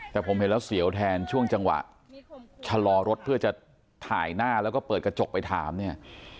แต่ผมเห็นแล้วเสียวแทนช่วงจังหวะชะลอรถเพื่อจะถ่ายหน้าแล้วก็เปิดกระจกไปถามเนี่ย